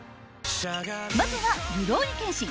まずは、「るろうに剣心」。